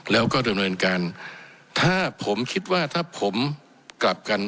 แล้วก็ดำเนินการถ้าผมคิดว่าถ้าผมกลับกัน